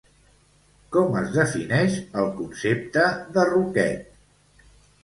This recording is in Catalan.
Com es defineix el concepte de roquet?